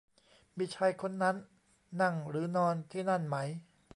มีชายคนนั้นนั่งหรือนอนที่นั่นไหม ?